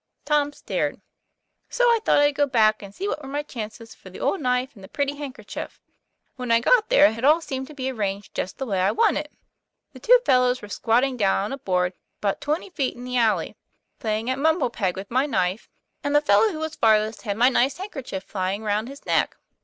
Tom stared. " So I thought I'd go back, and see what were my chances for the old knife and the pretty handker chief. When I got there, it all seemed to be arranged just the way I wanted it. The two fellows were squatting down on a board about twenty feet in the alley, playing at mumble peg with my knife; and the ii 1 62 TOM PL A YFAIR, fellow who was farthest had my nice handkerchief flying round his neck.